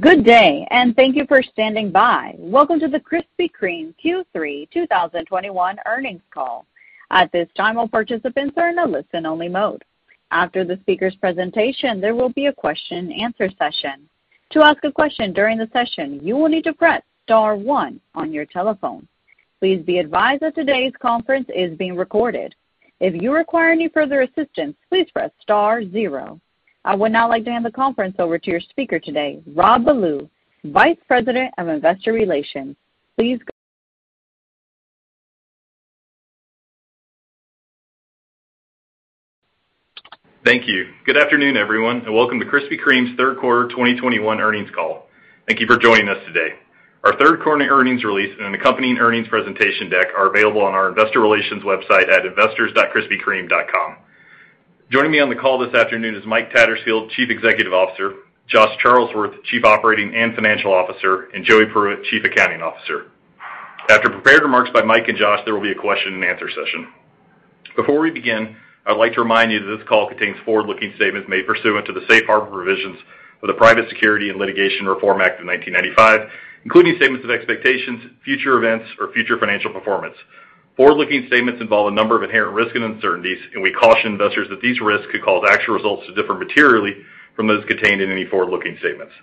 Good day, thank you for standing by. Welcome to the Krispy Kreme Q3 2021 earnings call. At this time, all participants are in a listen-only mode. After the speaker's presentation, there will be a question and answer session. To ask a question during the session, you will need to press star one on your telephone. Please be advised that today's conference is being recorded. If you require any further assistance, please press star zero. I would now like to hand the conference over to your speaker today, Rob Ballew, Vice President of Investor Relations. Please go ahead. Thank you. Good afternoon, everyone, and welcome to Krispy Kreme's third quarter 2021 earnings call. Thank you for joining us today. Our third quarter earnings release and an accompanying earnings presentation deck are available on our investor relations website at investors.krispykreme.com. Joining me on the call this afternoon is Mike Tattersfield, Chief Executive Officer, Josh Charlesworth, Chief Operating and Financial Officer, and Joey Pruitt, Chief Accounting Officer. After prepared remarks by Mike and Josh, there will be a question and answer session. Before we begin, I'd like to remind you that this call contains forward-looking statements made pursuant to the safe harbor provisions of the Private Securities Litigation Reform Act of 1995, including statements of expectations, future events, or future financial performance. Forward-looking statements involve a number of inherent risks and uncertainties, and we caution investors that these risks could cause actual results to differ materially from those contained in any forward-looking statements.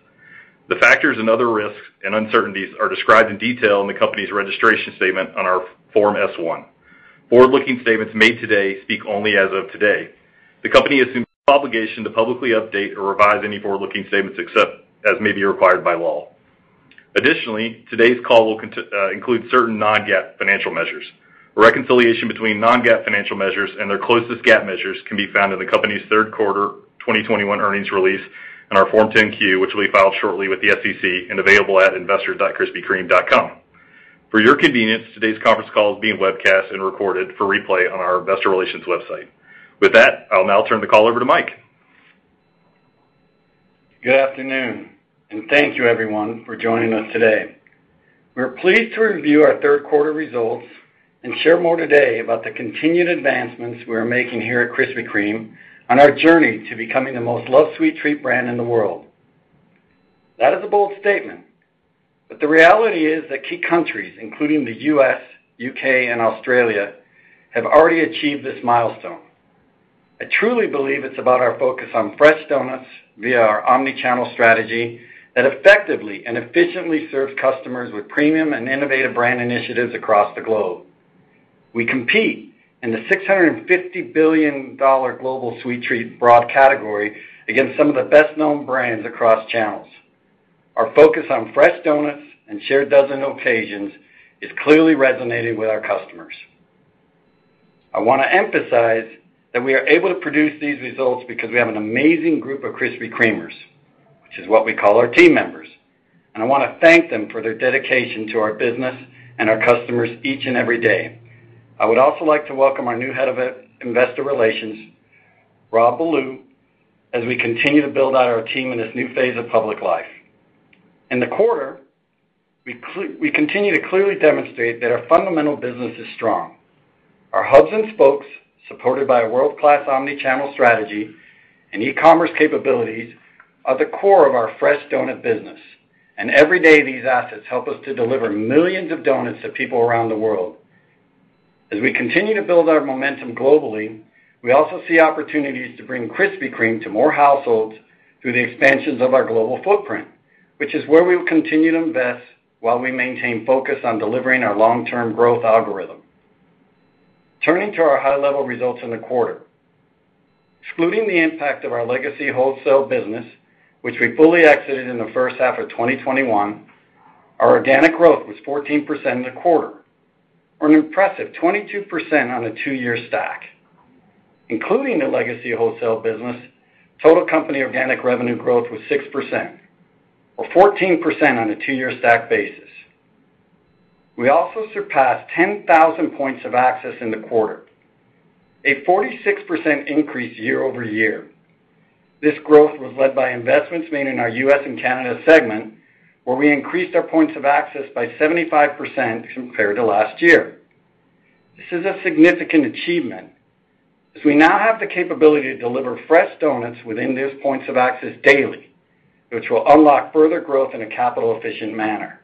The factors and other risks and uncertainties are described in detail in the company's registration statement on our Form S-1. Forward-looking statements made today speak only as of today. The company assumes no obligation to publicly update or revise any forward-looking statements except as may be required by law. Additionally, today's call will include certain non-GAAP financial measures. A reconciliation between non-GAAP financial measures and their closest GAAP measures can be found in the company's third quarter 2021 earnings release and our Form 10-Q, which will be filed shortly with the SEC and available at investor.krispykreme.com. For your convenience, today's conference call is being webcast and recorded for replay on our investor relations website. With that, I'll now turn the call over to Mike. Good afternoon, and thank you everyone for joining us today. We're pleased to review our third quarter results and share more today about the continued advancements we are making here at Krispy Kreme on our journey to becoming the most loved sweet treat brand in the world. That is a bold statement, but the reality is that key countries, including the U.S., U.K., and Australia, have already achieved this milestone. I truly believe it's about our focus on fresh doughnuts via our omni-channel strategy that effectively and efficiently serves customers with premium and innovative brand initiatives across the globe. We compete in the $650 billion global sweet treat broad category against some of the best-known brands across channels. Our focus on fresh doughnuts and shared dozen occasions is clearly resonating with our customers. I wanna emphasize that we are able to produce these results because we have an amazing group of Krispy Kremers, which is what we call our team members, and I wanna thank them for their dedication to our business and our customers each and every day. I would also like to welcome our new Head of Investor Relations, Rob Ballew, as we continue to build out our team in this new phase of public life. In the quarter, we continue to clearly demonstrate that our fundamental business is strong. Our hubs and spokes, supported by a world-class omni-channel strategy and e-commerce capabilities, are the core of our fresh donut business. Every day these assets help us to deliver millions of donuts to people around the world. As we continue to build our momentum globally, we also see opportunities to bring Krispy Kreme to more households through the expansions of our global footprint, which is where we will continue to invest while we maintain focus on delivering our long-term growth algorithm. Turning to our high-level results in the quarter. Excluding the impact of our legacy wholesale business, which we fully exited in the first half of 2021, our organic growth was 14% in the quarter, or an impressive 22% on a two-year stack. Including the legacy wholesale business, total company organic revenue growth was 6%, or 14% on a two-year stack basis. We also surpassed 10,000 points of access in the quarter, a 46% increase year-over-year. This growth was led by investments made in our U.S. and Canada segment, where we increased our points of access by 75% compared to last year. This is a significant achievement, as we now have the capability to deliver fresh doughnuts within those points of access daily, which will unlock further growth in a capital efficient manner.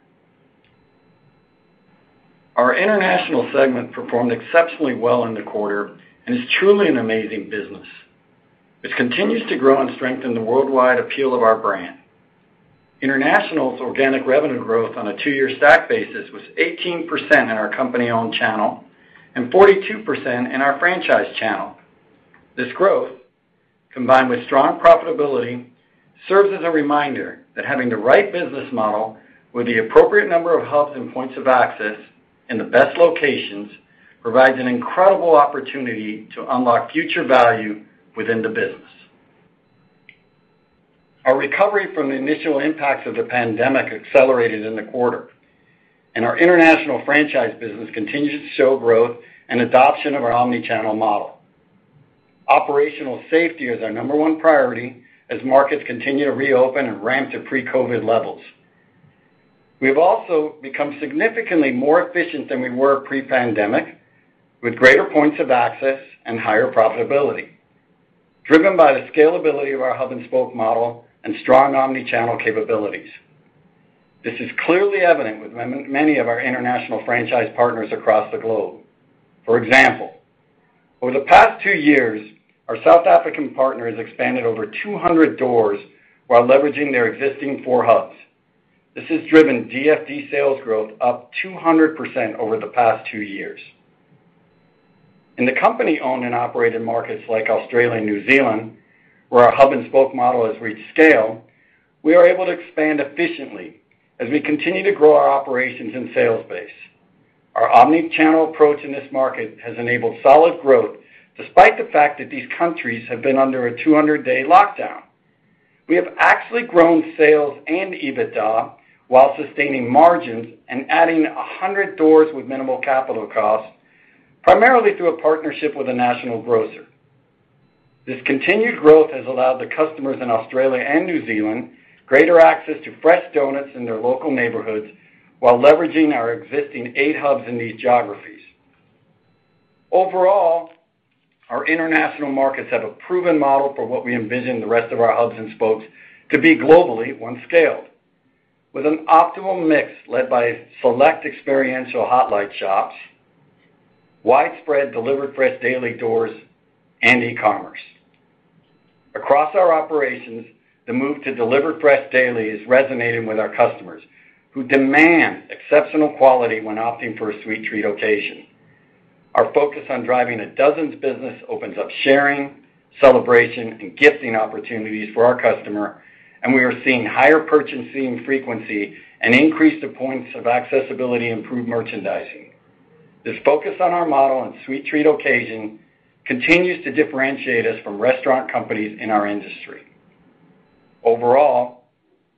Our International segment performed exceptionally well in the quarter and is truly an amazing business, which continues to grow and strengthen the worldwide appeal of our brand. International's organic revenue growth on a two-year stack basis was 18% in our company-owned channel and 42% in our franchise channel. This growth, combined with strong profitability, serves as a reminder that having the right business model with the appropriate number of hubs and points of access in the best locations provides an incredible opportunity to unlock future value within the business. Our recovery from the initial impacts of the pandemic accelerated in the quarter, and our international franchise business continues to show growth and adoption of our omni-channel model. Operational safety is our number one priority as markets continue to reopen and ramp to pre-COVID levels. We've also become significantly more efficient than we were pre-pandemic, with greater points of access and higher profitability, driven by the scalability of our hub and spoke model and strong omni-channel capabilities. This is clearly evident with many of our international franchise partners across the globe. For example, over the past two years, our South African partner has expanded over 200 doors while leveraging their existing four hubs. This has driven DFD sales growth up 200% over the past two years. In the company-owned and operated markets like Australia and New Zealand, where our hub and spoke model has reached scale, we are able to expand efficiently as we continue to grow our operations and sales base. Our omni-channel approach in this market has enabled solid growth despite the fact that these countries have been under a 200-day lockdown. We have actually grown sales and EBITDA while sustaining margins and adding 100 doors with minimal capital costs, primarily through a partnership with a national grocer. This continued growth has allowed the customers in Australia and New Zealand greater access to fresh doughnuts in their local neighborhoods while leveraging our existing eight hubs in these geographies. Overall, our international markets have a proven model for what we envision the rest of our hubs and spokes to be globally once scaled, with an optimal mix led by select experiential Hot Light shops, widespread delivered fresh daily doors, and e-commerce. Across our operations, the move to deliver fresh daily is resonating with our customers who demand exceptional quality when opting for a sweet treat occasion. Our focus on driving a dozens business opens up sharing, celebration, and gifting opportunities for our customer, and we are seeing higher purchasing frequency and increase to points of accessibility and improved merchandising. This focus on our model and sweet treat occasion continues to differentiate us from restaurant companies in our industry. Overall,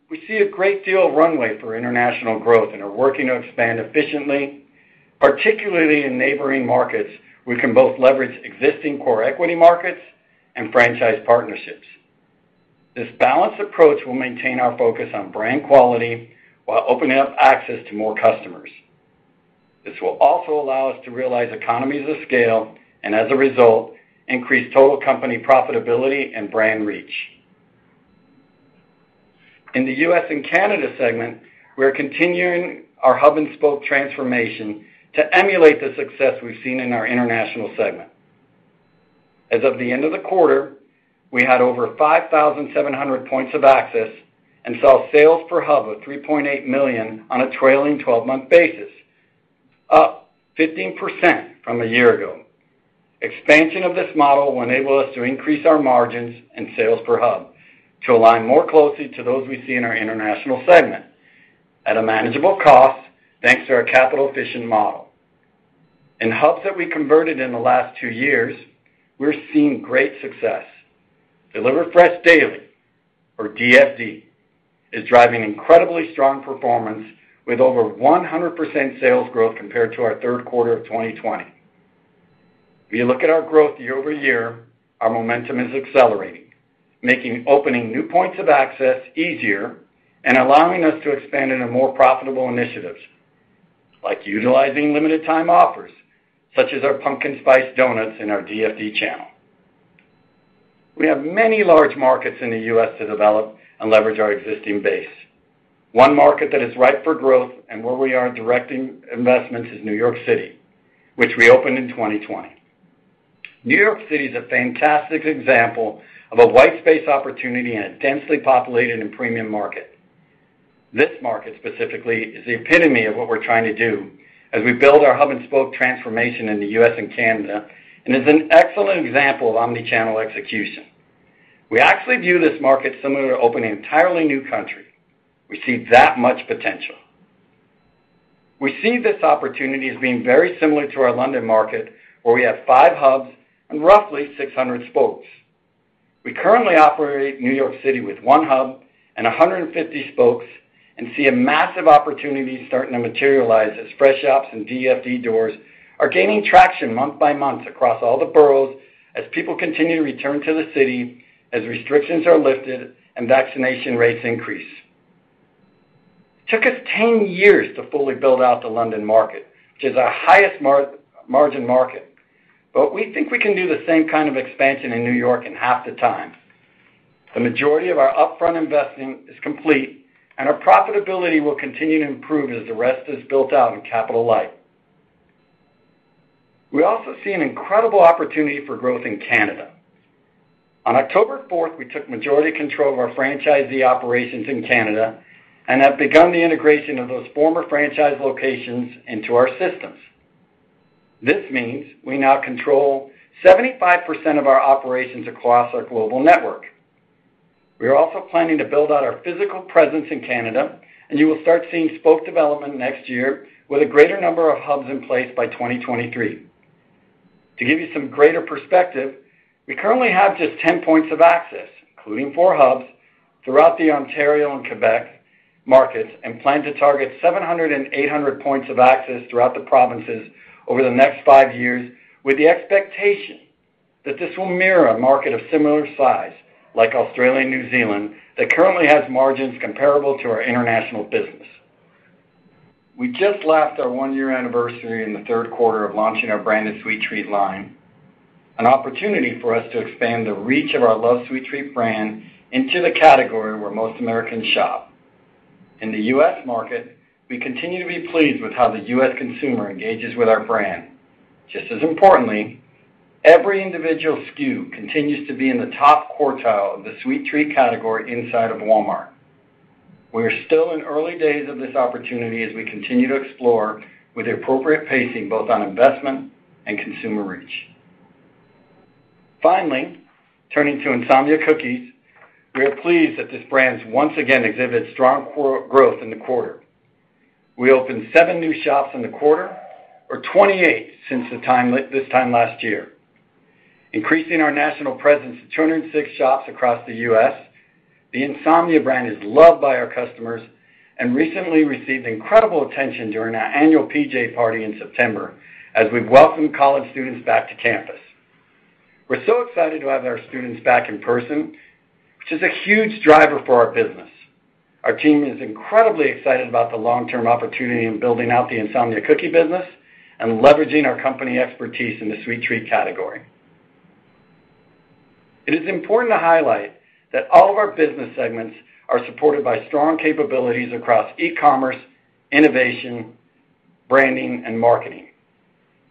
we see a great deal of runway for international growth and are working to expand efficiently, particularly in neighboring markets. We can both leverage existing core equity markets and franchise partnerships. This balanced approach will maintain our focus on brand quality while opening up access to more customers. This will also allow us to realize economies of scale and, as a result, increase total company profitability and brand reach. In the U.S. and Canada Segment, we are continuing our hub and spoke transformation to emulate the success we've seen in our international segment. As of the end of the quarter, we had over 5,700 points of access and saw sales per hub of $3.8 million on a trailing 12-month basis, up 15% from a year ago. Expansion of this model will enable us to increase our margins and sales per hub to align more closely to those we see in our international segment at a manageable cost, thanks to our capital-efficient model. In hubs that we converted in the last two years, we're seeing great success. Deliver Fresh Daily, or DFD, is driving incredibly strong performance with over 100% sales growth compared to our third quarter of 2020. If you look at our growth year-over-year, our momentum is accelerating, making opening new points of access easier and allowing us to expand into more profitable initiatives, like utilizing limited time offers, such as our pumpkin spice doughnuts in our DFD channel. We have many large markets in the U.S. to develop and leverage our existing base. One market that is ripe for growth and where we are directing investments is New York City, which we opened in 2020. New York City is a fantastic example of a white space opportunity in a densely populated and premium market. This market specifically is the epitome of what we're trying to do as we build our hub and spoke transformation in the U.S. and Canada, and is an excellent example of omni-channel execution. We actually view this market similar to opening an entirely new country. We see that much potential. We see this opportunity as being very similar to our London market, where we have five hubs and roughly 600 spokes. We currently operate New York City with one hub and 150 spokes and see a massive opportunity starting to materialize as fresh shops and DFD doors are gaining traction month by month across all the boroughs as people continue to return to the city, as restrictions are lifted, and vaccination rates increase. It took us 10 years to fully build out the London market, which is our highest margin market, but we think we can do the same kind of expansion in New York in half the time. The majority of our upfront investing is complete, and our profitability will continue to improve as the rest is built out and capital light. We also see an incredible opportunity for growth in Canada. On October 4th, we took majority control of our franchisee operations in Canada and have begun the integration of those former franchise locations into our systems. This means we now control 75% of our operations across our global network. We are also planning to build out our physical presence in Canada, and you will start seeing spoke development next year with a greater number of hubs in place by 2023. To give you some greater perspective, we currently have just 10 points of access, including four hubs, throughout the Ontario and Quebec markets and plan to target 700 and 800 points of access throughout the provinces over the next five years with the expectation that this will mirror a market of similar size, like Australia and New Zealand, that currently has margins comparable to our international business. We just left our one-year anniversary in the third quarter of launching our Branded Sweet Treat line, an opportunity for us to expand the reach of our loved sweet treat brand into the category where most Americans shop. In the U.S. market, we continue to be pleased with how the U.S. consumer engages with our brand. Just as importantly, every individual SKU continues to be in the top quartile of the sweet treat category inside of Walmart. We are still in early days of this opportunity as we continue to explore with the appropriate pacing, both on investment and consumer reach. Finally, turning to Insomnia Cookies, we are pleased that this brand once again exhibits strong core growth in the quarter. We opened seven new shops in the quarter, or 28 since this time last year, increasing our national presence to 206 shops across the U.S. The Insomnia brand is loved by our customers and recently received incredible attention during our annual PJ Party in September as we welcomed college students back to campus. We're so excited to have our students back in person, which is a huge driver for our business. Our team is incredibly excited about the long-term opportunity in building out the Insomnia Cookie business and leveraging our company expertise in the sweet treat category. It is important to highlight that all of our business segments are supported by strong capabilities across e-commerce, innovation, branding, and marketing.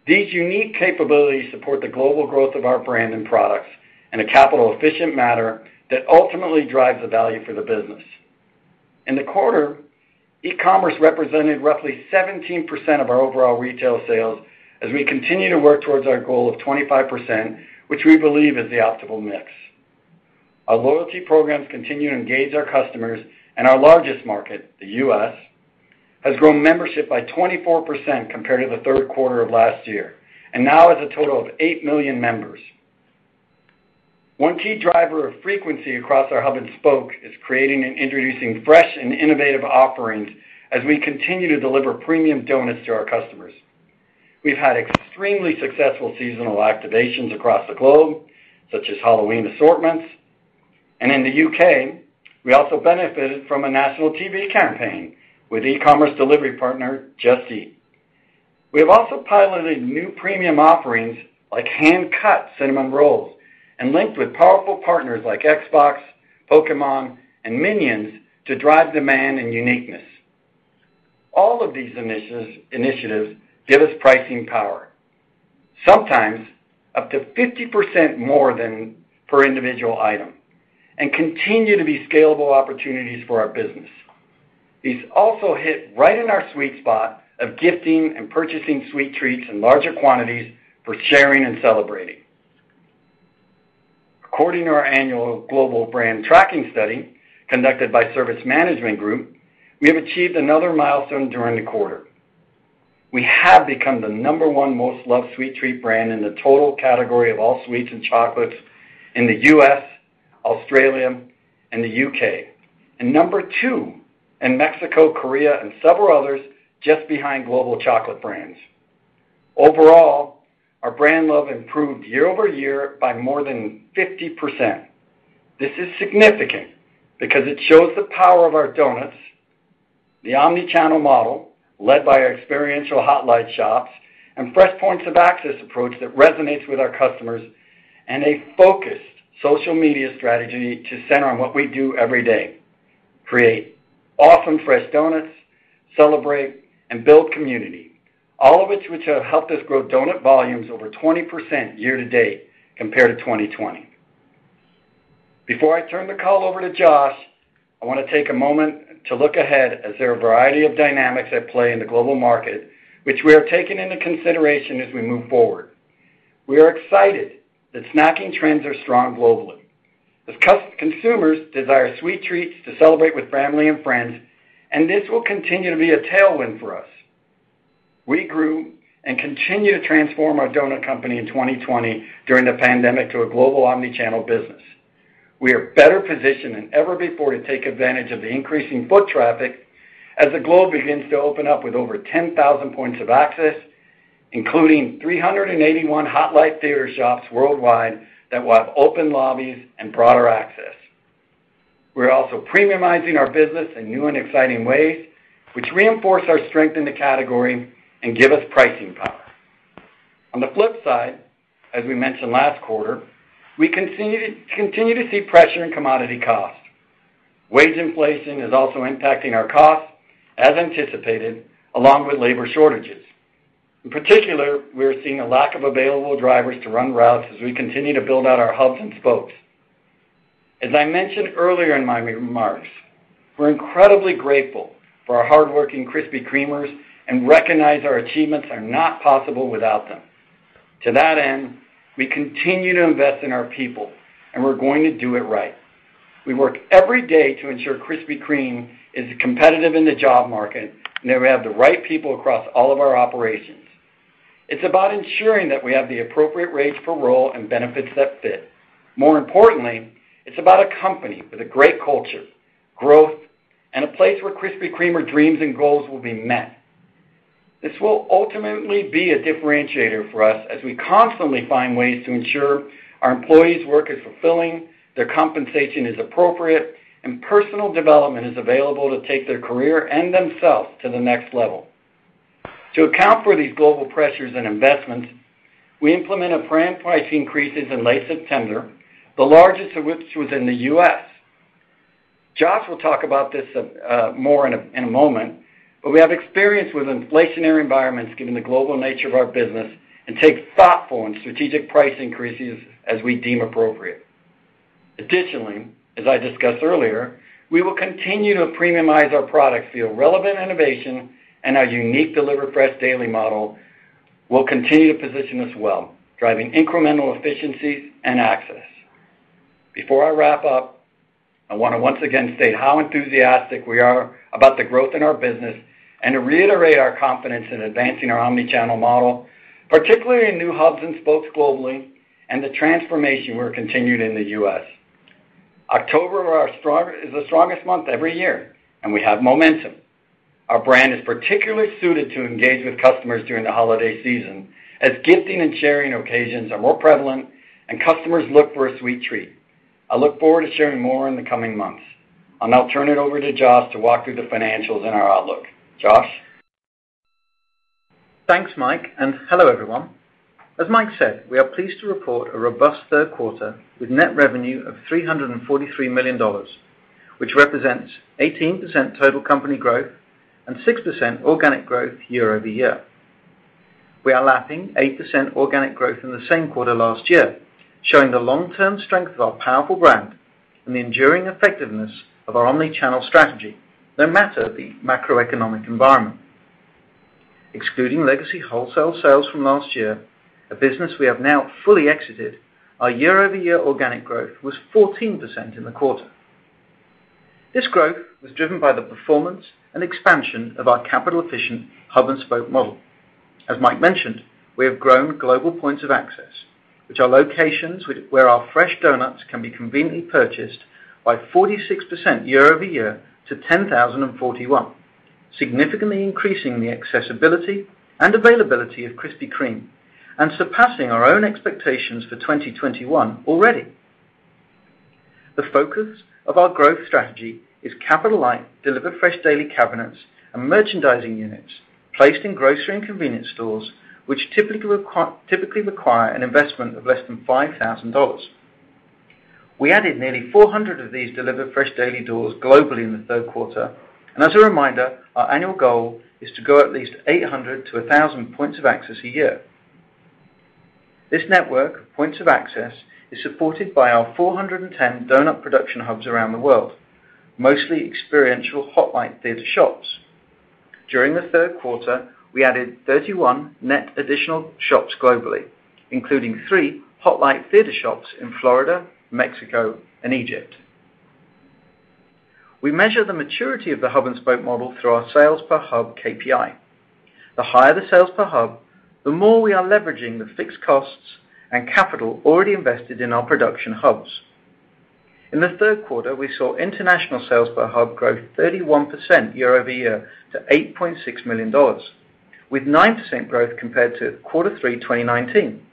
These unique capabilities support the global growth of our brand and products in a capital-efficient manner that ultimately drives the value for the business. In the quarter, e-commerce represented roughly 17% of our overall retail sales as we continue to work towards our goal of 25%, which we believe is the optimal mix. Our loyalty programs continue to engage our customers, and our largest market, the U.S., has grown membership by 24% compared to the third quarter of last year, and now has a total of 8 million members. One key driver of frequency across our hub and spoke is creating and introducing fresh and innovative offerings as we continue to deliver premium doughnuts to our customers. We've had extremely successful seasonal activations across the globe, such as Halloween assortments. In the U.K., we also benefited from a national TV campaign with e-commerce delivery partner, Just Eat. We have also piloted new premium offerings like hand-cut cinnamon rolls and linked with powerful partners like Xbox, Pokémon, and Minions to drive demand and uniqueness. All of these initiatives give us pricing power, sometimes up to 50% more than per individual item, and continue to be scalable opportunities for our business. These also hit right in our sweet spot of gifting and purchasing sweet treats in larger quantities for sharing and celebrating. According to our annual global brand tracking study conducted by Service Management Group, we have achieved another milestone during the quarter. We have become the number one most loved sweet treat brand in the total category of all sweets and chocolates in the U.S., Australia, and the U.K. Number two in Mexico, Korea, and several others, just behind global chocolate brands. Overall, our brand love improved year-over-year by more than 50%. This is significant because it shows the power of our doughnuts, the omni-channel model led by our experiential Hot Light shops, and fresh points of access approach that resonates with our customers, and a focused social media strategy to center on what we do every day, create often fresh doughnuts, celebrate, and build community, all of which have helped us grow doughnut volumes over 20% year to date compared to 2020. Before I turn the call over to Josh, I wanna take a moment to look ahead as there are a variety of dynamics at play in the global market, which we are taking into consideration as we move forward. We are excited that snacking trends are strong globally as consumers desire sweet treats to celebrate with family and friends, and this will continue to be a tailwind for us. We grew and continue to transform our doughnut company in 2020 during the pandemic to a global omni-channel business. We are better positioned than ever before to take advantage of the increasing foot traffic as the globe begins to open up with over 10,000 points of access, including 381 Hot Light Theater shops worldwide that will have open lobbies and broader access. We're also premiumizing our business in new and exciting ways, which reinforce our strength in the category and give us pricing power. On the flip side, as we mentioned last quarter, we continue to see pressure in commodity costs. Wage inflation is also impacting our costs, as anticipated, along with labor shortages. In particular, we are seeing a lack of available drivers to run routes as we continue to build out our hubs and spokes. As I mentioned earlier in my remarks, we're incredibly grateful for our hardworking Krispy Kremers and recognize our achievements are not possible without them. To that end, we continue to invest in our people, and we're going to do it right. We work every day to ensure Krispy Kreme is competitive in the job market, and that we have the right people across all of our operations. It's about ensuring that we have the appropriate rates for role and benefits that fit. More importantly, it's about a company with a great culture, growth, and a place where Krispy Kremer dreams and goals will be met. This will ultimately be a differentiator for us as we constantly find ways to ensure our employees' work is fulfilling, their compensation is appropriate, and personal development is available to take their career and themselves to the next level. To account for these global pressures and investments, we implement brand-wide price increases in late September, the largest of which was in the U.S. Josh will talk about this more in a moment, but we have experience with inflationary environments given the global nature of our business and take thoughtful and strategic price increases as we deem appropriate. Additionally, as I discussed earlier, we will continue to premiumize our products via relevant innovation and our unique DSD model will continue to position us well, driving incremental efficiencies and access. Before I wrap up, I want to once again state how enthusiastic we are about the growth in our business and to reiterate our confidence in advancing our omni-channel model, particularly in new hubs and spokes globally and the transformation we're continuing in the U.S. October is the strongest month every year, and we have momentum. Our brand is particularly suited to engage with customers during the holiday season, as gifting and sharing occasions are more prevalent and customers look for a sweet treat. I look forward to sharing more in the coming months. I'll now turn it over to Josh to walk through the financials and our outlook. Josh? Thanks, Mike, and hello, everyone. As Mike said, we are pleased to report a robust third quarter with net revenue of $343 million, which represents 18% total company growth and 6% organic growth year-over-year. We are lapping 8% organic growth in the same quarter last year, showing the long-term strength of our powerful brand and the enduring effectiveness of our omni-channel strategy, no matter the macroeconomic environment. Excluding legacy wholesale sales from last year, a business we have now fully exited, our year-over-year organic growth was 14% in the quarter. This growth was driven by the performance and expansion of our capital-efficient hub and spoke model. As Mike mentioned, we have grown global points of access, which are locations where our fresh doughnuts can be conveniently purchased by 46% year-over-year to 10,041, significantly increasing the accessibility and availability of Krispy Kreme and surpassing our own expectations for 2021 already. The focus of our growth strategy is capital-light, delivered fresh daily cabinets and merchandising units placed in grocery and convenience stores, which typically require an investment of less than $5,000. We added nearly 400 of these delivered fresh daily doors globally in the third quarter. As a reminder, our annual goal is to go at least 800-1,000 points of access a year. This network, points of access, is supported by our 410 doughnut production hubs around the world, mostly experiential Hot Light Theater shops. During the third quarter, we added 31 net additional shops globally, including three Hot Light Theater shops in Florida, Mexico, and Egypt. We measure the maturity of the hub and spoke model through our sales per hub KPI. The higher the sales per hub, the more we are leveraging the fixed costs and capital already invested in our production hubs. In the third quarter, we saw international sales per hub grow 31% year-over-year to $8.6 million, with 9% growth compared to Q3 2019.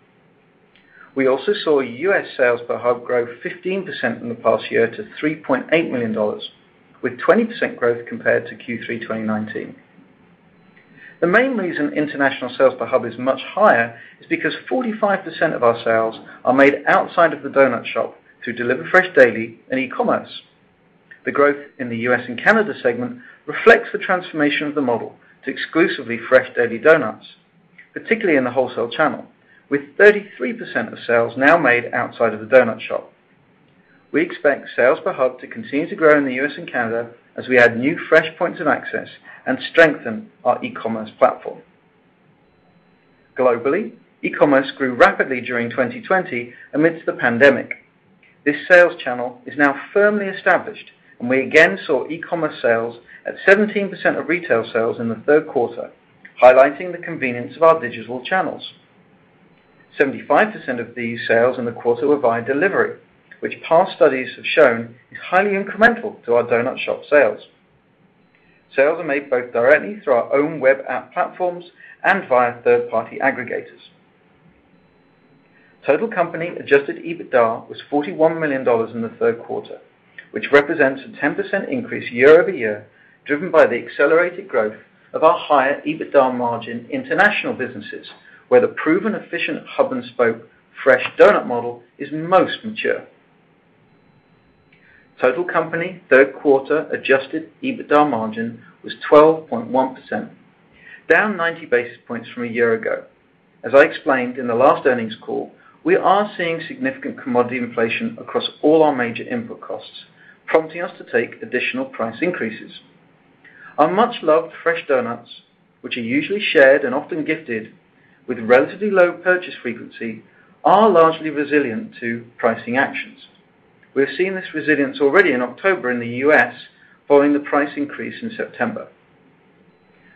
We also saw U.S. sales per hub grow 15% in the past year to $3.8 million, with 20% growth compared to Q3 2019. The main reason international sales per hub is much higher is because 45% of our sales are made outside of the donut shop through Deliver Fresh Daily and e-commerce. The growth in the U.S. and Canada segment reflects the transformation of the model to exclusively fresh daily doughnuts, particularly in the wholesale channel, with 33% of sales now made outside of the doughnut shop. We expect sales per hub to continue to grow in the U.S. and Canada as we add new fresh points of access and strengthen our e-commerce platform. Globally, e-commerce grew rapidly during 2020 amidst the pandemic. This sales channel is now firmly established, and we again saw e-commerce sales at 17% of retail sales in the third quarter, highlighting the convenience of our digital channels. 75% of these sales in the quarter were via delivery, which past studies have shown is highly incremental to our doughnut shop sales. Sales are made both directly through our own web app platforms and via third-party aggregators. Total company adjusted EBITDA was $41 million in the third quarter, which represents a 10% increase year-over-year, driven by the accelerated growth of our higher EBITDA margin international businesses, where the proven efficient hub-and-spoke fresh doughnut model is most mature. Total company third quarter adjusted EBITDA margin was 12.1%, down 90 basis points from a year ago. As I explained in the last earnings call, we are seeing significant commodity inflation across all our major input costs, prompting us to take additional price increases. Our much-loved fresh doughnuts, which are usually shared and often gifted with relatively low purchase frequency, are largely resilient to pricing actions. We are seeing this resilience already in October in the U.S. following the price increase in September.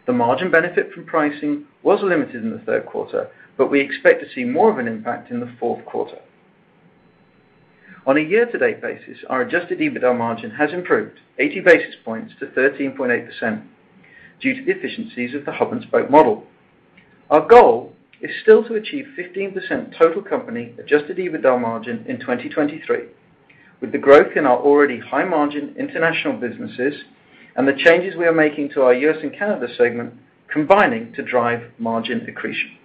The margin benefit from pricing was limited in the third quarter, but we expect to see more of an impact in the fourth quarter. On a year-to-date basis, our adjusted EBITDA margin has improved 80 basis points to 13.8% due to the efficiencies of the hub and spoke model. Our goal is still to achieve 15% total company adjusted EBITDA margin in 2023, with the growth in our already high margin international businesses and the changes we are making to our U.S. and Canada segment combining to drive margin accretion.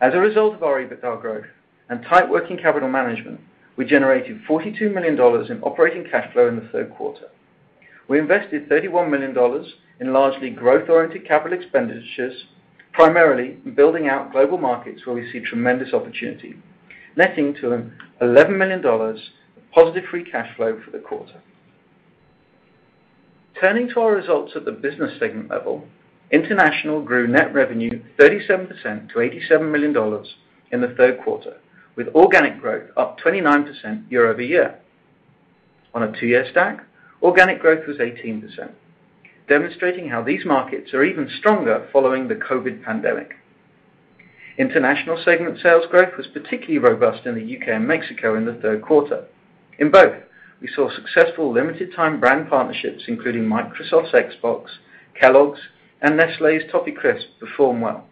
As a result of our EBITDA growth and tight working capital management, we generated $42 million in operating cash flow in the third quarter. We invested $31 million in largely growth-oriented capital expenditures, primarily in building out global markets where we see tremendous opportunity, netting to $11 million of positive free cash flow for the quarter. Turning to our results at the business segment level, International grew net revenue 37% to $87 million in the third quarter, with organic growth up 29% year-over-year. On a two-year stack, organic growth was 18%, demonstrating how these markets are even stronger following the COVID pandemic. International segment sales growth was particularly robust in the U.K. and Mexico in the third quarter. In both, we saw successful limited-time brand partnerships, including Microsoft's Xbox, Kellogg's, and Nestlé's Toffee Crisp, perform well.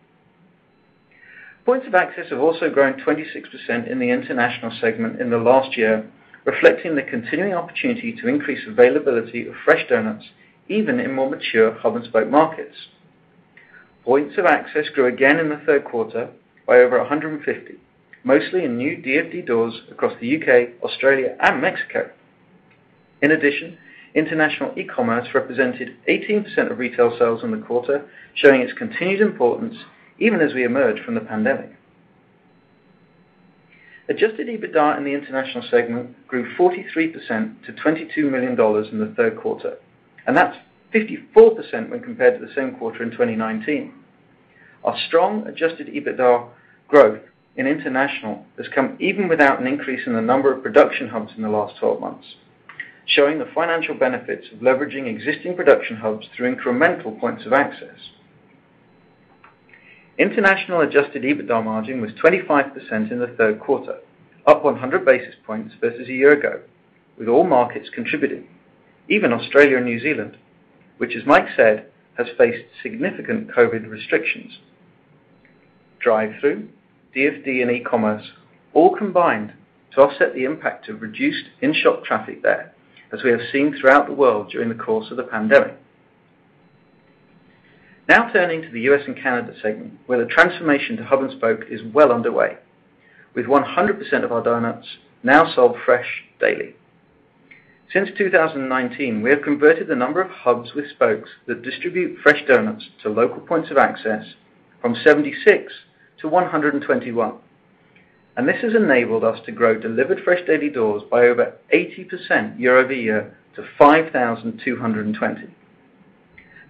Points of access have also grown 26% in the International segment in the last year, reflecting the continuing opportunity to increase availability of fresh doughnuts even in more mature hub and spoke markets. Points of access grew again in the third quarter by over 150, mostly in new DFD doors across the U.K., Australia, and Mexico. In addition, international e-commerce represented 18% of retail sales in the quarter, showing its continued importance even as we emerge from the pandemic. Adjusted EBITDA in the International segment grew 43% to $22 million in the third quarter, and that's 54% when compared to the same quarter in 2019. Our strong adjusted EBITDA growth in international has come even without an increase in the number of production hubs in the last 12 months, showing the financial benefits of leveraging existing production hubs through incremental points of access. International adjusted EBITDA margin was 25% in the third quarter, up 100 basis points versus a year ago, with all markets contributing, even Australia and New Zealand, which, as Mike said, has faced significant COVID restrictions. Drive-through, DFD and e-commerce all combined to offset the impact of reduced in-shop traffic there, as we have seen throughout the world during the course of the pandemic. Now turning to the U.S. and Canada segment, where the transformation to hub and spoke is well underway, with 100% of our doughnuts now sold fresh daily. Since 2019, we have converted the number of hubs with spokes that distribute fresh doughnuts to local points of access from 76 to 121. This has enabled us to grow delivered fresh daily doors by over 80% year-over-year to 5,220.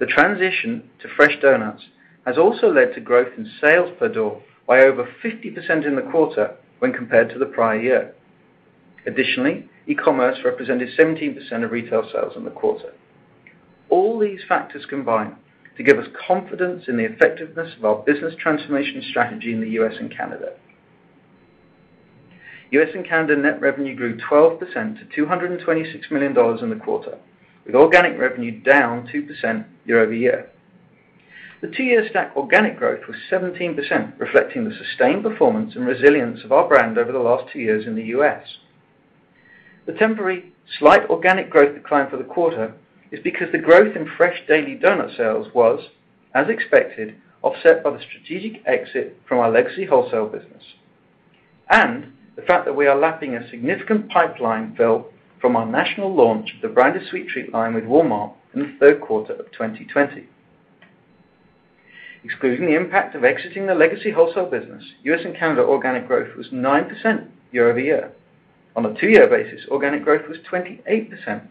The transition to fresh doughnuts has also led to growth in sales per door by over 50% in the quarter when compared to the prior year. Additionally, e-commerce represented 17% of retail sales in the quarter. All these factors combine to give us confidence in the effectiveness of our business transformation strategy in the U.S. and Canada. U.S. and Canada net revenue grew 12% to $226 million in the quarter, with organic revenue down 2% year-over-year. The two-year stack organic growth was 17%, reflecting the sustained performance and resilience of our brand over the last two years in the U.S. The temporary slight organic growth decline for the quarter is because the growth in fresh daily doughnut sales was, as expected, offset by the strategic exit from our legacy wholesale business and the fact that we are lapping a significant pipeline fill from our national launch of the Branded Sweet Treat line with Walmart in the third quarter of 2020. Excluding the impact of exiting the legacy wholesale business, U.S. and Canada organic growth was 9% year-over-year. On a two-year basis, organic growth was 28%,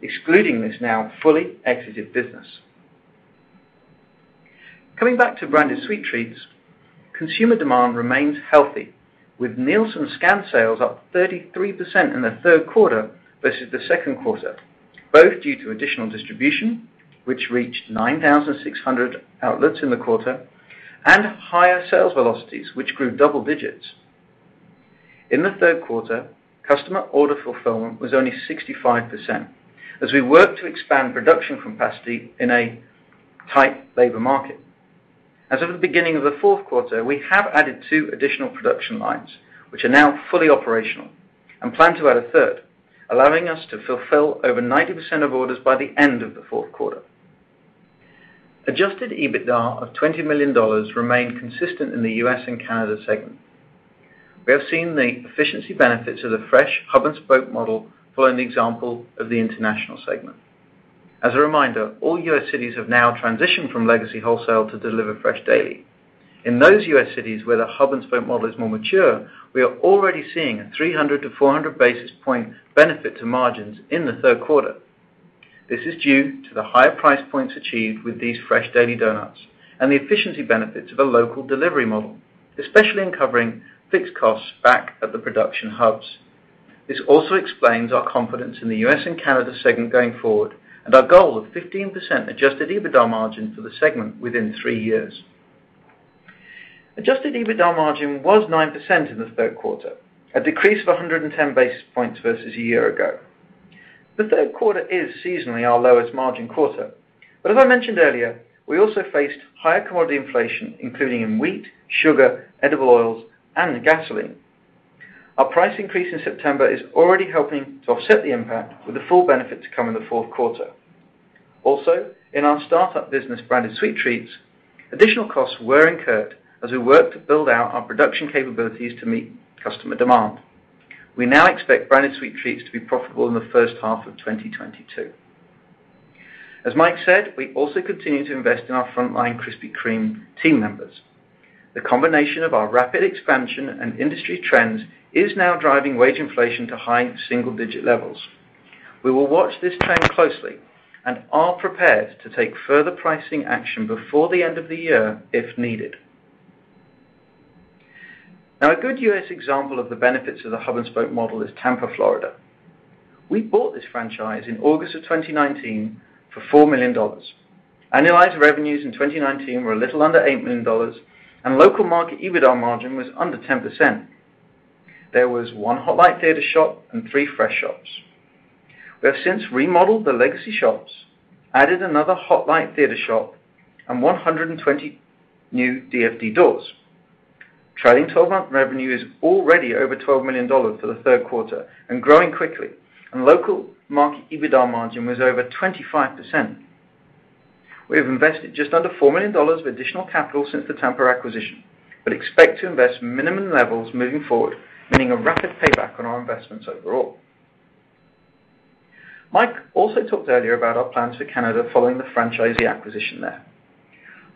excluding this now fully exited business. Coming back to Branded Sweet Treats, consumer demand remains healthy, with Nielsen scan sales up 33% in the third quarter versus the second quarter, both due to additional distribution, which reached 9,600 outlets in the quarter, and higher sales velocities, which grew double digits. In the third quarter, customer order fulfillment was only 65% as we worked to expand production capacity in a tight labor market. As of the beginning of the fourth quarter, we have added two additional production lines, which are now fully operational and plan to add a third, allowing us to fulfill over 90% of orders by the end of the fourth quarter. Adjusted EBITDA of $20 million remained consistent in the U.S. and Canada segment. We have seen the efficiency benefits of the fresh hub and spoke model following the example of the international segment. As a reminder, all U.S. cities have now transitioned from legacy wholesale to deliver fresh daily. In those U.S. cities where the hub and spoke model is more mature, we are already seeing a 300-400 basis point benefit to margins in the third quarter. This is due to the higher price points achieved with these fresh daily doughnuts and the efficiency benefits of a local delivery model, especially in covering fixed costs back at the production hubs. This also explains our confidence in the U.S. and Canada segment going forward and our goal of 15% adjusted EBITDA margin for the segment within three years. Adjusted EBITDA margin was 9% in the third quarter, a decrease of 110 basis points versus a year ago. The third quarter is seasonally our lowest margin quarter, but as I mentioned earlier, we also faced higher commodity inflation, including in wheat, sugar, edible oils, and gasoline. Our price increase in September is already helping to offset the impact with the full benefit to come in the fourth quarter. Also, in our start-up business, Branded Sweet Treats, additional costs were incurred as we work to build out our production capabilities to meet customer demand. We now expect Branded Sweet Treats to be profitable in the first half of 2022. As Mike said, we also continue to invest in our frontline Krispy Kreme team members. The combination of our rapid expansion and industry trends is now driving wage inflation to high single-digit levels. We will watch this trend closely and are prepared to take further pricing action before the end of the year if needed. Now, a good U.S. example of the benefits of the hub and spoke model is Tampa, Florida. We bought this franchise in August of 2019 for $4 million. Annualized revenues in 2019 were a little under $8 million, and local market EBITDA margin was under 10%. There was one Hot Light Theater shop and three fresh shops. We have since remodeled the legacy shops, added another Hot Light Theater shop and 120 new DFD doors. Trailing twelve-month revenue is already over $12 million for the third quarter and growing quickly, and local market EBITDA margin was over 25%. We have invested just under $4 million of additional capital since the Tampa acquisition, but expect to invest minimum levels moving forward, meaning a rapid payback on our investments overall. Mike also talked earlier about our plans for Canada following the franchisee acquisition there.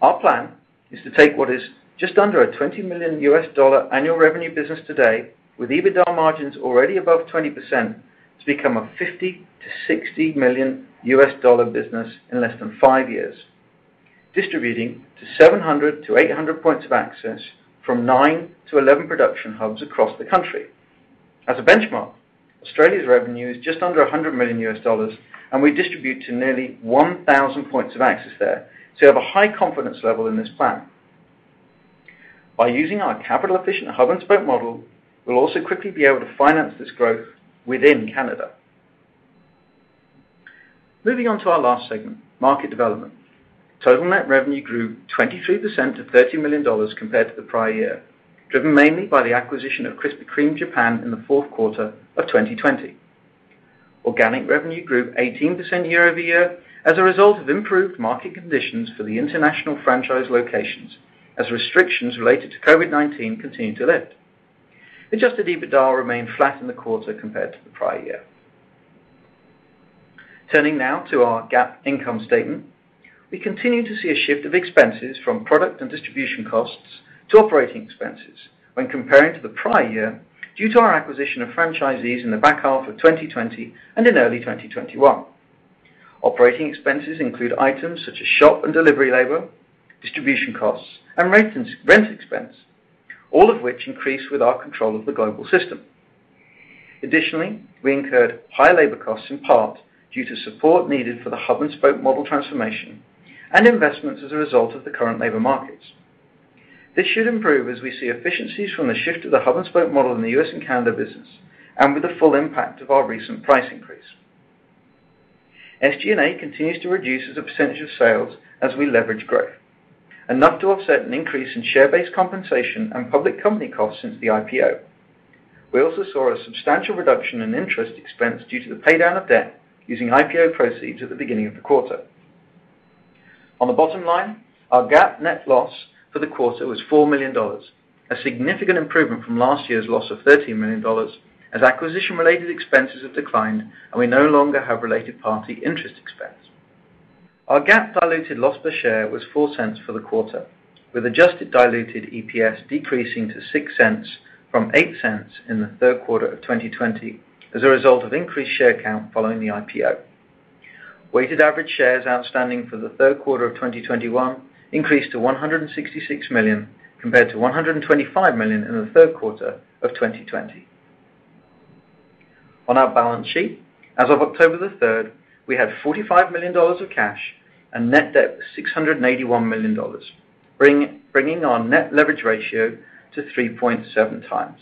Our plan is to take what is just under a $20 million annual revenue business today, with EBITDA margins already above 20%, to become a $50 million-$60 million business in less than five years, distributing to 700-800 points of access from nine to 11 production hubs across the country. As a benchmark, Australia's revenue is just under $100 million, and we distribute to nearly 1,000 points of access there to have a high confidence level in this plan. By using our capital-efficient hub and spoke model, we'll also quickly be able to finance this growth within Canada. Moving on to our last segment, market development. Total net revenue grew 23% to $30 million compared to the prior year, driven mainly by the acquisition of Krispy Kreme Japan in the fourth quarter of 2020. Organic revenue grew 18% year-over-year as a result of improved market conditions for the international franchise locations as restrictions related to COVID-19 continue to lift. Adjusted EBITDA remained flat in the quarter compared to the prior year. Turning now to our GAAP income statement. We continue to see a shift of expenses from product and distribution costs to operating expenses when comparing to the prior year due to our acquisition of franchisees in the back half of 2020 and in early 2021. Operating expenses include items such as shop and delivery labor, distribution costs, and rent expense, all of which increase with our control of the global system. Additionally, we incurred high labor costs in part due to support needed for the hub and spoke model transformation and investments as a result of the current labor markets. This should improve as we see efficiencies from the shift to the hub and spoke model in the U.S. and Canada business and with the full impact of our recent price increase. SG&A continues to reduce as a percentage of sales as we leverage growth, enough to offset an increase in share-based compensation and public company costs since the IPO. We also saw a substantial reduction in interest expense due to the pay-down of debt using IPO proceeds at the beginning of the quarter. On the bottom line, our GAAP net loss for the quarter was $4 million, a significant improvement from last year's loss of $13 million, as acquisition-related expenses have declined, and we no longer have related party interest expense. Our GAAP diluted loss per share was $0.04 for the quarter, with adjusted diluted EPS decreasing to $0.06 from $0.08 in the third quarter of 2020 as a result of increased share count following the IPO. Weighted average shares outstanding for the third quarter of 2021 increased to 166 million, compared to 125 million in the third quarter of 2020. On our balance sheet, as of October 3rd, we had $45 million of cash and net debt was $681 million, bringing our net leverage ratio to 3.7x.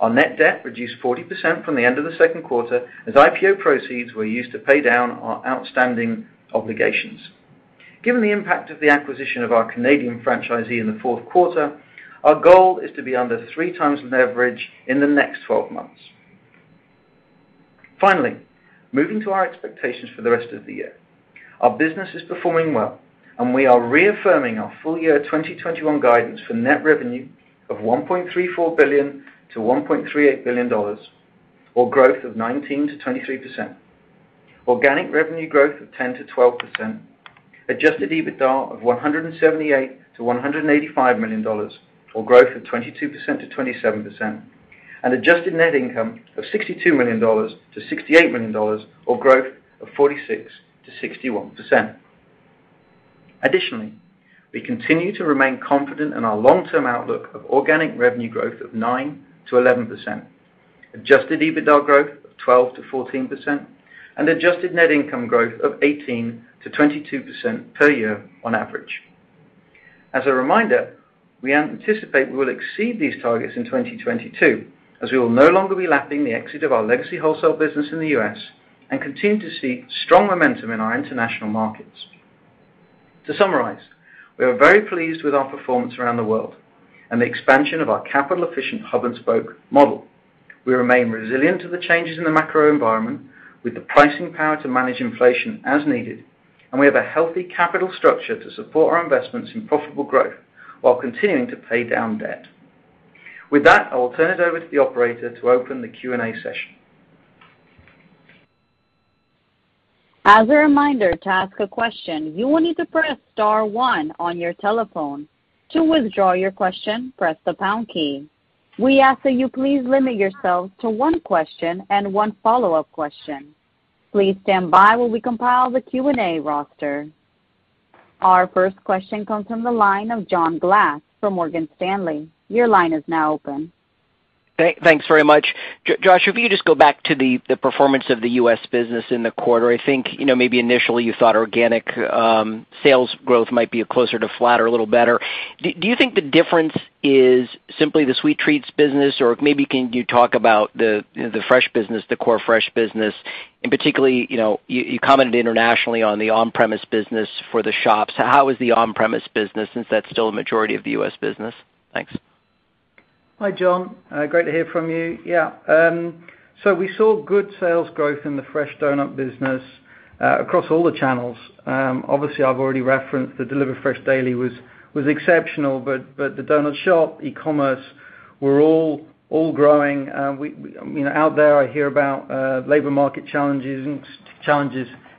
Our net debt reduced 40% from the end of the second quarter, as IPO proceeds were used to pay down our outstanding obligations. Given the impact of the acquisition of our Canadian franchisee in the fourth quarter, our goal is to be under 3x leverage in the next 12 months. Finally, moving to our expectations for the rest of the year. Our business is performing well, and we are reaffirming our full year 2021 guidance for net revenue of $1.34 billion-$1.38 billion, or growth of 19%-23%. Organic revenue growth of 10%-12%, adjusted EBITDA of $178 million-$185 million, or growth of 22%-27%, and adjusted net income of $62 million-$68 million, or growth of 46%-61%. Additionally, we continue to remain confident in our long-term outlook of organic revenue growth of 9%-11%. Adjusted EBITDA growth of 12%-14% and adjusted net income growth of 18%-22% per year on average. As a reminder, we anticipate we will exceed these targets in 2022 as we will no longer be lapping the exit of our legacy wholesale business in the U.S. and continue to see strong momentum in our international markets. To summarize, we are very pleased with our performance around the world and the expansion of our capital efficient hub and spoke model. We remain resilient to the changes in the macro environment with the pricing power to manage inflation as needed, and we have a healthy capital structure to support our investments in profitable growth while continuing to pay down debt. With that, I will turn it over to the operator to open the Q&A session. As a reminder, to ask a question, you will need to press star one on your telephone. To withdraw your question, press the pound key. We ask that you please limit yourselves to one question and one follow-up question. Please stand by while we compile the Q&A roster. Our first question comes from the line of John Glass from Morgan Stanley. Your line is now open. Thanks very much. Josh, if you just go back to the performance of the U.S. business in the quarter. I think, you know, maybe initially you thought organic sales growth might be closer to flat or a little better. Do you think the difference is simply the sweet treats business? Or maybe can you talk about the fresh business, the core fresh business, and particularly, you know, you commented internationally on the on-premise business for the shops. How is the on-premise business since that's still a majority of the U.S. business? Thanks. Hi, John. Great to hear from you. Yeah. We saw good sales growth in the fresh doughnut business across all the channels. Obviously I've already referenced the Deliver Fresh Daily was exceptional, but the doughnut shop, e-commerce were all growing. You know, out there I hear about labor market challenges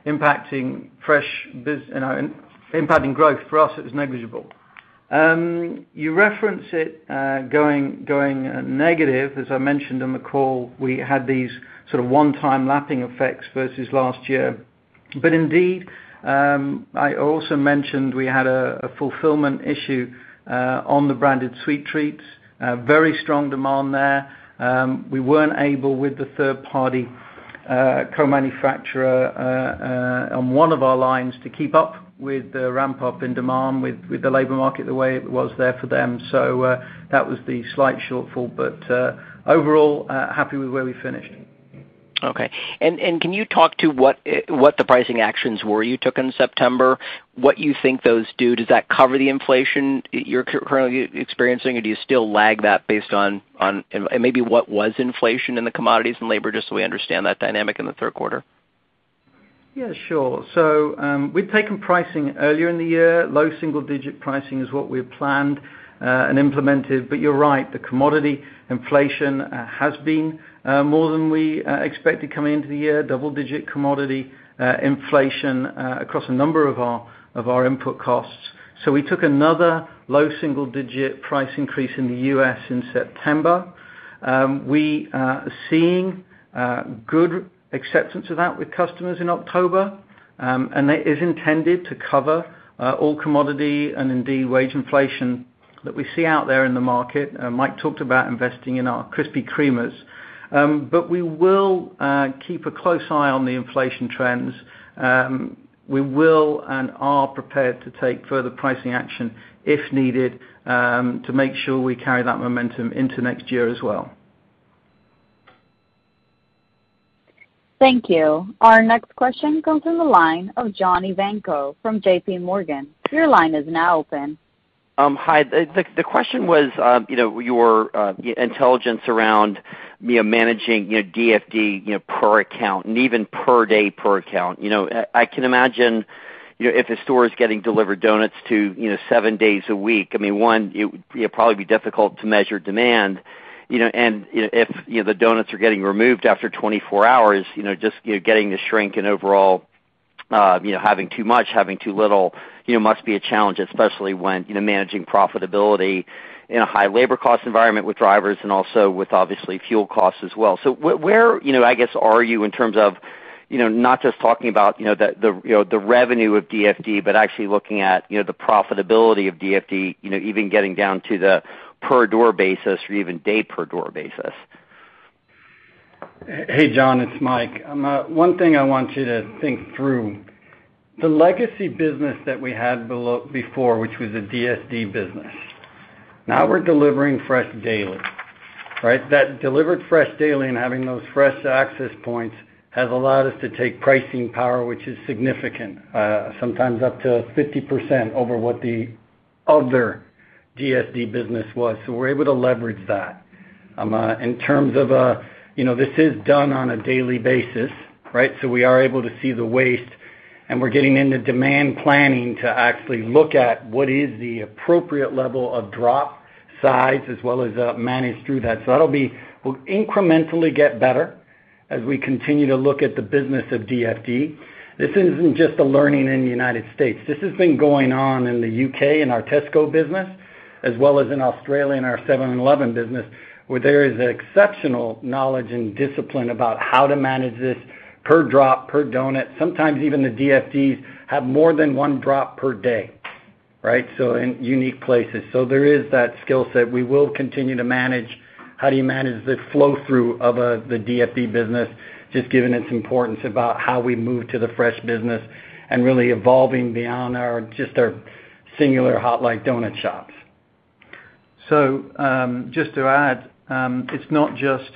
impacting growth. For us, it was negligible. You referenced it going negative. As I mentioned on the call, we had these sort of one-time lapping effects versus last year. Indeed, I also mentioned we had a fulfillment issue on the Branded Sweet Treats. Very strong demand there. We weren't able with the third party co-manufacturer on one of our lines to keep up with the ramp up in demand with the labor market the way it was there for them. That was the slight shortfall, but overall, happy with where we finished. Can you talk to what the pricing actions were you took in September, what you think those do? Does that cover the inflation you're currently experiencing, or do you still lag that based on and maybe what was inflation in the commodities and labor, just so we understand that dynamic in the third quarter? Yeah, sure. We've taken pricing earlier in the year. Low single-digit pricing is what we had planned and implemented. You're right, the commodity inflation has been more than we expected coming into the year, double-digit commodity inflation across a number of our input costs. We took another low single-digit price increase in the U.S. in September. We are seeing good acceptance of that with customers in October. That is intended to cover all commodity and indeed wage inflation that we see out there in the market. Mike talked about investing in our Krispy Kremers. We will keep a close eye on the inflation trends. We will and are prepared to take further pricing action if needed, to make sure we carry that momentum into next year as well. Thank you. Our next question comes from the line of John Ivankoe from JPMorgan Securities. Your line is now open. Hi. The question was, you know, your intelligence around, you know, managing, you know, DFD, you know, per account and even per day per account. You know, I can imagine, you know, if a store is getting delivered doughnuts to, you know, seven days a week, I mean, one, it would, you know, probably be difficult to measure demand, you know, and if, you know, the doughnuts are getting removed after 24 hours, you know, just, you know, getting the shrink in overall, you know, having too much, having too little, you know, must be a challenge, especially when, you know, managing profitability in a high labor cost environment with drivers and also with obviously fuel costs as well. Where, you know, I guess are you in terms of, you know, not just talking about, you know, the, you know, the revenue of DFD, but actually looking at, you know, the profitability of DFD, you know, even getting down to the per door basis or even day per door basis? Hey, John, it's Mike. One thing I want you to think through, the legacy business that we had before, which was a DSD business. Now we're delivering fresh daily, right? That delivered fresh daily and having those fresh access points has allowed us to take pricing power, which is significant, sometimes up to 50% over what the other DSD business was. We're able to leverage that. In terms of, you know, this is done on a daily basis, right? We are able to see the waste, and we're getting into demand planning to actually look at what is the appropriate level of drop size as well as manage through that. We'll incrementally get better as we continue to look at the business of DFD. This isn't just a learning in the United States. This has been going on in the U.K., in our Tesco business, as well as in Australia, in our 7-Eleven business, where there is exceptional knowledge and discipline about how to manage this per drop, per doughnut. Sometimes even the DFDs have more than one drop per day. Right? In unique places. There is that skill set. We will continue to manage how do you manage the flow through of, the DFD business, just given its importance about how we move to the fresh business and really evolving beyond our just our singular Hot Light doughnut shops. Just to add, it's not just,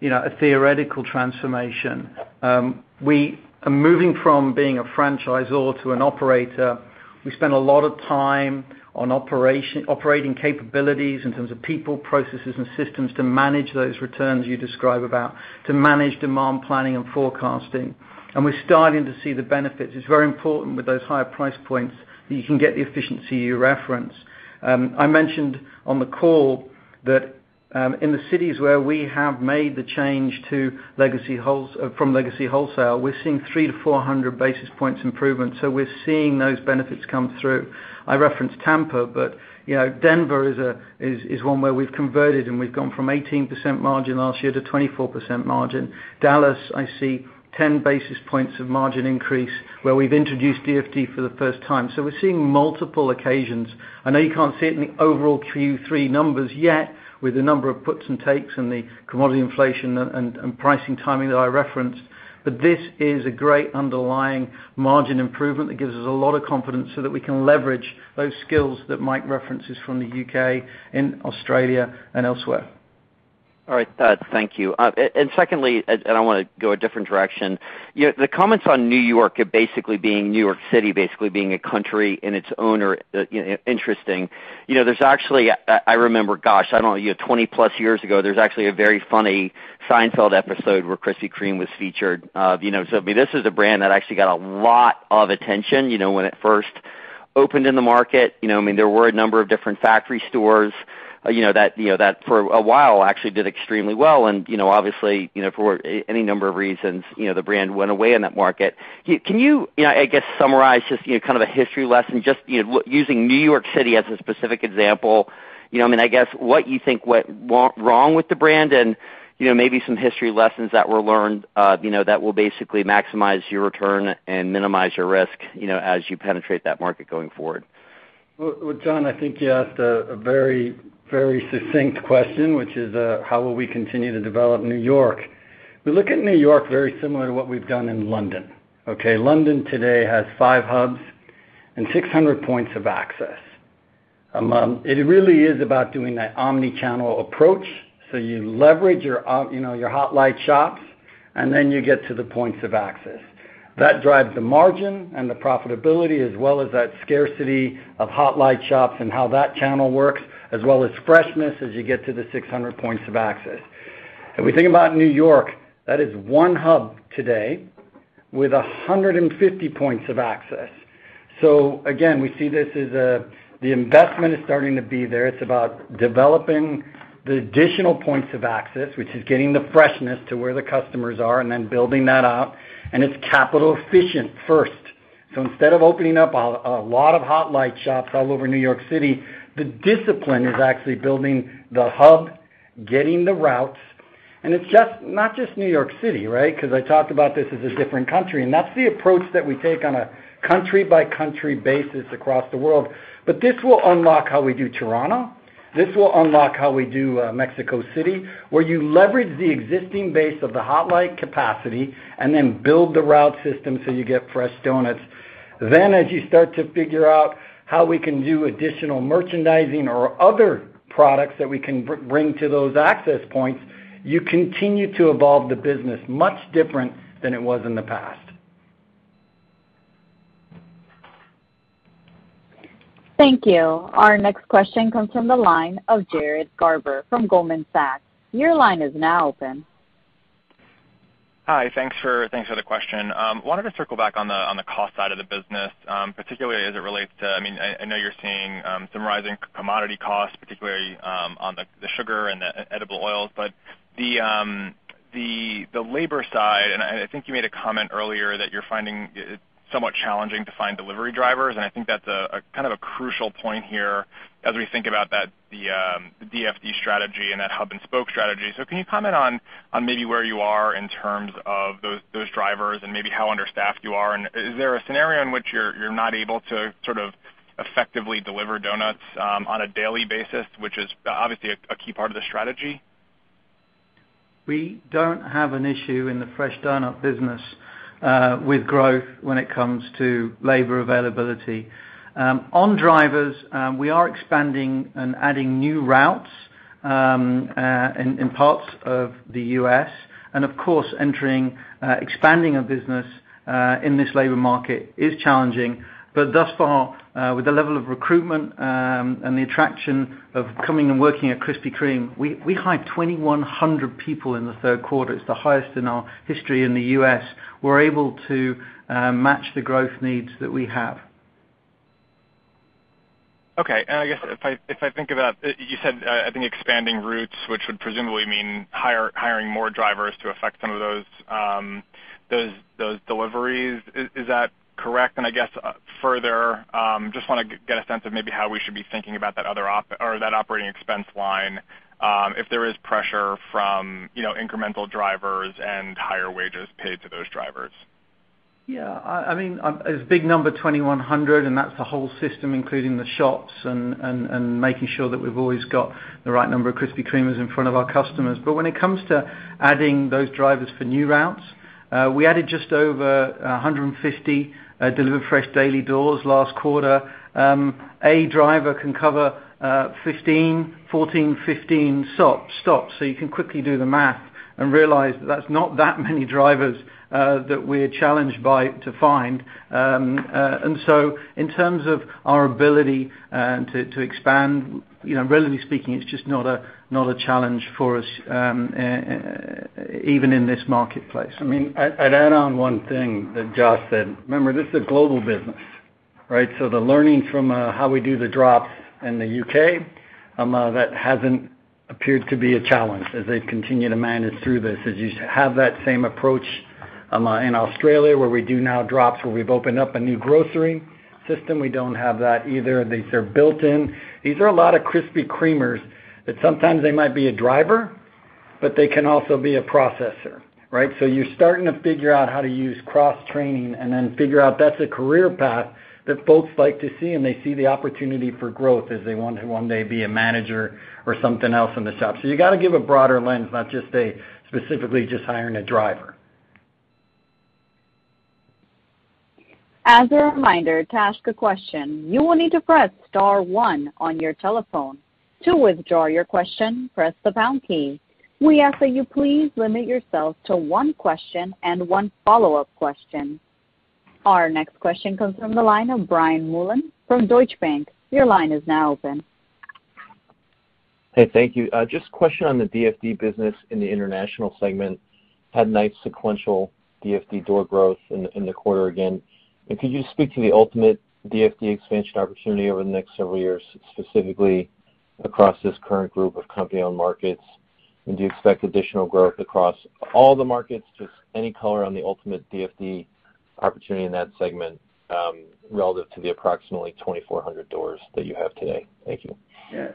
you know, a theoretical transformation. We are moving from being a franchisor to an operator. We spend a lot of time on operating capabilities in terms of people, processes, and systems to manage those returns you describe about, to manage demand planning and forecasting. We're starting to see the benefits. It's very important with those higher price points that you can get the efficiency you reference. I mentioned on the call that, in the cities where we have made the change to legacy wholesale, we're seeing 300-400 basis points improvement. We're seeing those benefits come through. I referenced Tampa, but, you know, Denver is one where we've converted, and we've gone from 18% margin last year to 24% margin. Dallas, I see 10 basis points of margin increase where we've introduced DFD for the first time. We're seeing multiple occasions. I know you can't see it in the overall Q3 numbers yet with the number of puts and takes and the commodity inflation and pricing timing that I referenced, but this is a great underlying margin improvement that gives us a lot of confidence so that we can leverage those skills that Mike references from the U.K. and Australia and elsewhere. All right, thank you. Secondly, I wanna go a different direction. You know, the comments on New York basically being New York City, basically being a country in its own right are, you know, interesting. You know, there's actually I remember, gosh, I don't know, you know, 20-plus years ago, there's actually a very funny Seinfeld episode where Krispy Kreme was featured, you know. I mean, this is a brand that actually got a lot of attention, you know, when it first opened in the market. You know, I mean, there were a number of different factory stores, you know, that for a while actually did extremely well. You know, obviously, you know, for any number of reasons, you know, the brand went away in that market. Can you know, I guess, summarize just, you know, kind of a history lesson, just, you know, using New York City as a specific example, you know, I mean, I guess, what you think went wrong with the brand and, you know, maybe some history lessons that were learned, you know, that will basically maximize your return and minimize your risk, you know, as you penetrate that market going forward? Well, John, I think you asked a very, very succinct question, which is how will we continue to develop New York? We look at New York very similar to what we've done in London, okay? London today has five hubs and 600 points of access. It really is about doing that omni-channel approach. You leverage your you know, your Hot Light shops, and then you get to the points of access. That drives the margin and the profitability, as well as that scarcity of Hot Light shops and how that channel works, as well as freshness as you get to the 600 points of access. If we think about New York, that is one hub today with 150 points of access. Again, we see this as the investment is starting to be there. It's about developing the additional points of access, which is getting the freshness to where the customers are and then building that out. It's capital efficient first. Instead of opening up a lot of Hot Light shops all over New York City, the discipline is actually building the hub, getting the routes, and it's just not just New York City, right? 'Cause I talked about this as a different country, and that's the approach that we take on a country-by-country basis across the world. This will unlock how we do Toronto. This will unlock how we do Mexico City, where you leverage the existing base of the Hot Light capacity and then build the route system so you get fresh doughnuts. As you start to figure out how we can do additional merchandising or other products that we can bring to those access points, you continue to evolve the business much different than it was in the past. Thank you. Our next question comes from the line of Jared Garber from Goldman Sachs. Your line is now open. Hi. Thanks for the question. Wanted to circle back on the cost side of the business, particularly as it relates to, I mean, I know you're seeing some rising commodity costs, particularly on the sugar and the edible oils. The labor side, and I think you made a comment earlier that you're finding it somewhat challenging to find delivery drivers, and I think that's a kind of crucial point here as we think about the DFD strategy and that hub and spoke strategy. Can you comment on maybe where you are in terms of those drivers and maybe how understaffed you are? Is there a scenario in which you're not able to sort of effectively deliver doughnuts on a daily basis, which is obviously a key part of the strategy? We don't have an issue in the fresh doughnut business with growth when it comes to labor availability. On drivers, we are expanding and adding new routes in parts of the U.S. Of course, entering, expanding a business in this labor market is challenging. Thus far, with the level of recruitment and the attraction of coming and working at Krispy Kreme, we hired 2,100 people in the third quarter. It's the highest in our history in the U.S. We're able to match the growth needs that we have. Okay. I guess if I think about, you said, I think expanding routes, which would presumably mean hiring more drivers to effect some of those deliveries. Is that correct? I guess further, just wanna get a sense of maybe how we should be thinking about that other or that operating expense line, if there is pressure from, you know, incremental drivers and higher wages paid to those drivers. Yeah, I mean, it's a big number, 2,100, and that's the whole system, including the shops and making sure that we've always got the right number of Krispy Kremes in front of our customers. When it comes to adding those drivers for new routes, we added just over 150 Deliver Fresh Daily doors last quarter. A driver can cover 15, 14, 15 stops, so you can quickly do the math and realize that's not that many drivers that we're challenged by to find. In terms of our ability to expand, you know, relatively speaking, it's just not a challenge for us, even in this marketplace. I mean, I'd add on one thing that Josh said. Remember, this is a global business, right? So the learnings from how we do the drops in the U.K., that hasn't appeared to be a challenge as they continue to manage through this. As you have that same approach in Australia, where we do DSD drops, where we've opened up a new grocery system, we don't have that either. These are built in. These are a lot of Krispy Kremers that sometimes they might be a driver, but they can also be a processor, right? So you're starting to figure out how to use cross-training and then figure out that's a career path that folks like to see, and they see the opportunity for growth as they want to one day be a manager or something else in the shop. You gotta give a broader lens, not just a specifically just hiring a driver. As a reminder, to ask a question, you will need to press star one on your telephone. To withdraw your question, press the pound key. We ask that you please limit yourself to one question and one follow-up question. Our next question comes from the line of Brian Mullan from Deutsche Bank. Your line is now open. Hey, thank you. Just a question on the DFD business in the international segment. Had nice sequential DFD door growth in the quarter again. Could you just speak to the ultimate DFD expansion opportunity over the next several years, specifically across this current group of company-owned markets? Do you expect additional growth across all the markets? Just any color on the ultimate DFD opportunity in that segment, relative to the approximately 2,400 doors that you have today. Thank you. Yeah.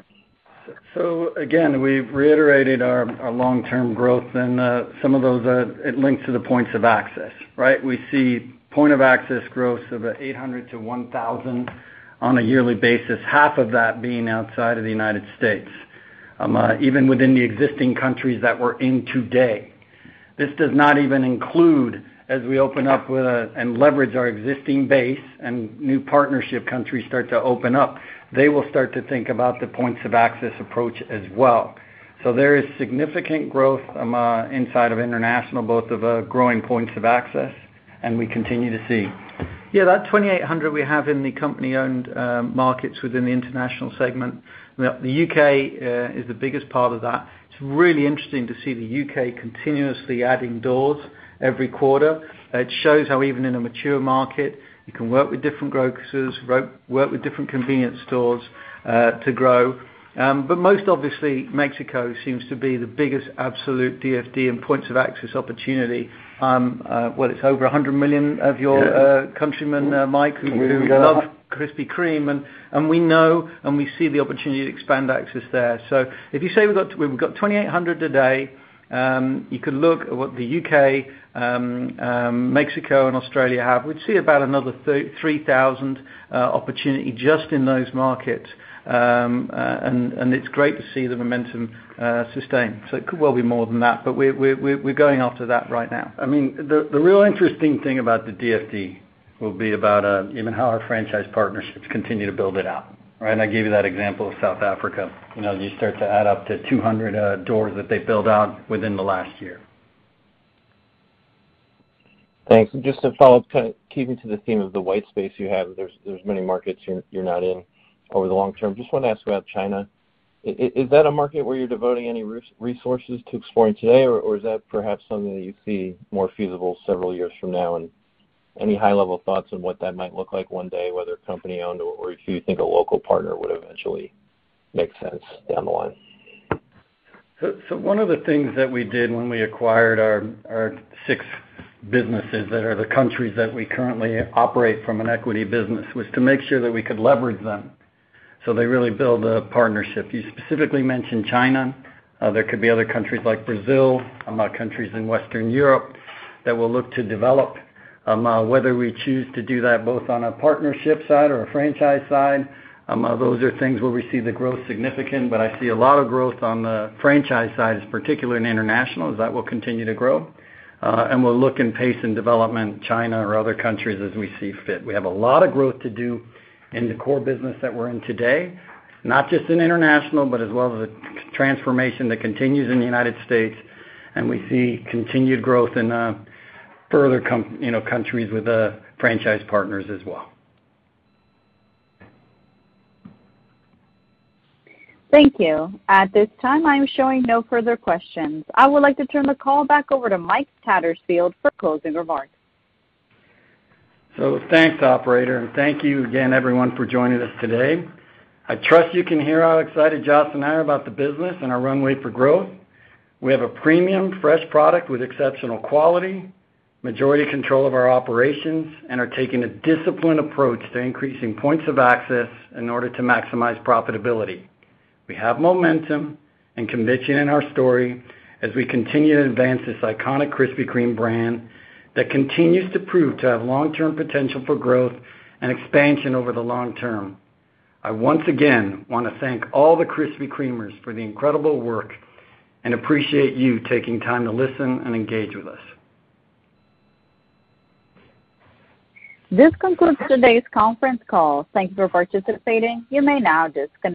Again, we've reiterated our long-term growth and some of those it links to the points of access, right? We see point of access growth of 800-1,000 on a yearly basis, half of that being outside of the United States, even within the existing countries that we're in today. This does not even include as we open up with and leverage our existing base and new partnership countries start to open up, they will start to think about the points of access approach as well. There is significant growth inside of international, both of growing points of access, and we continue to see. Yeah, that 2,800 we have in the company-owned markets within the international segment, the U.K. is the biggest part of that. It's really interesting to see the U.K. continuously adding doors every quarter. It shows how even in a mature market, you can work with different grocers, work with different convenience stores to grow. Most obviously, Mexico seems to be the biggest absolute DFD and points of access opportunity. It's over 100 million of your countrymen, Mike, who love Krispy Kreme. We know and we see the opportunity to expand access there. If you say we've got 2,800 today, you could look at what the U.K., Mexico and Australia have. We'd see about another 30,000 opportunity just in those markets. It's great to see the momentum sustain. It could well be more than that, but we're going after that right now. I mean, the real interesting thing about the DFD will be about even how our franchise partnerships continue to build it out, right? I gave you that example of South Africa. You know, you start to add up to 200 doors that they build out within the last year. Thanks. Just to follow up, kinda keeping to the theme of the white space you have, there's many markets you're not in over the long term. Just wanna ask about China. Is that a market where you're devoting any resources to exploring today, or is that perhaps something that you see more feasible several years from now? And any high-level thoughts on what that might look like one day, whether company-owned or if you think a local partner would eventually make sense down the line? One of the things that we did when we acquired our six businesses that are the countries that we currently operate from an equity business was to make sure that we could leverage them, so they really build a partnership. You specifically mentioned China. There could be other countries like Brazil, countries in Western Europe that we'll look to develop. Whether we choose to do that both on a partnership side or a franchise side, those are things where we see the growth significant. I see a lot of growth on the franchise side, particularly in international, as that will continue to grow. We'll look in pace and development, China or other countries as we see fit. We have a lot of growth to do in the core business that we're in today, not just in international, but as well as the transformation that continues in the United States, and we see continued growth in further countries, you know, with franchise partners as well. Thank you. At this time, I'm showing no further questions. I would like to turn the call back over to Mike Tattersfield for closing remarks. Thanks, operator, and thank you again, everyone, for joining us today. I trust you can hear how excited Josh and I are about the business and our runway for growth. We have a premium, fresh product with exceptional quality, majority control of our operations, and are taking a disciplined approach to increasing points of access in order to maximize profitability. We have momentum and conviction in our story as we continue to advance this iconic Krispy Kreme brand that continues to prove to have long-term potential for growth and expansion over the long term. I once again want to thank all the Krispy Kremers for the incredible work and appreciate you taking time to listen and engage with us. This concludes today's conference call. Thank you for participating. You may now disconnect.